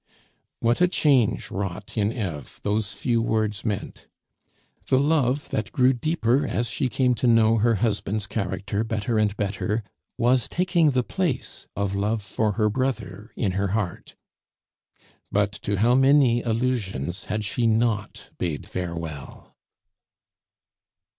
What a change wrought in Eve those few words meant! The love that grew deeper as she came to know her husband's character better and better, was taking the place of love for her brother in her heart. But to how many illusions had she not bade farewell?